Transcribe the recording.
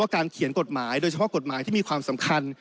การเขียนกฎหมายโดยเฉพาะกฎหมายที่มีความสำคัญ